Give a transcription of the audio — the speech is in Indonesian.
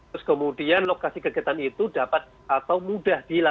terus kemudian lokasi kegiatan itu dapat atau mudah dilalui oleh banyak orang